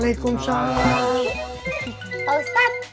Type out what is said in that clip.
pak mustaq apa kabar